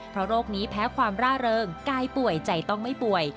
เพราะโรคนี้แพ้ความร่าเริงกายป่วยใจต้องไม่ป่วย